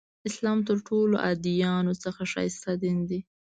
اسلام تر ټولو ادیانو څخه ښایسته دین دی.